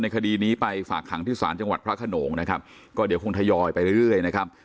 คดีนี้ไปฝากขังที่ศาลจังหวัดพระขนงนะครับก็เดี๋ยวคงทยอยไปเรื่อยนะครับ